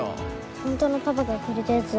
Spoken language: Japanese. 本当のパパがくれたやつだから。